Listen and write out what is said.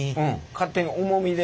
勝手に重みで。